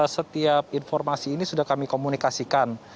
setiap informasi ini sudah kami komunikasikan